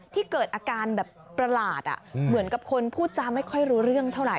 ที่เกิดอาการแบบประหลาดเหมือนกับคนพูดจาไม่ค่อยรู้เรื่องเท่าไห